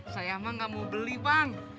saya emang gak mau beli bang